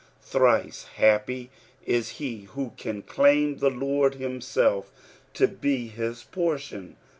Thrice happy is he who can claim the Lord himself to be his portion.